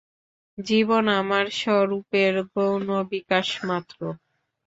জীবন আমার স্বরূপের গৌণ বিকাশমাত্র।